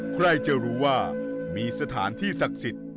ใครจะรู้ว่ามีสถานที่ศักดิ์สิทธิ์